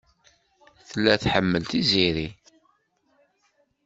Tella tḥemmel Tiziri.